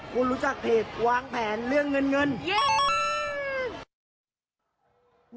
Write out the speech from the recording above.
คุณรู้จักเพจวางแผนเรื่องเงินเงิน